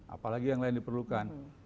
apalagi yang lain diperlukan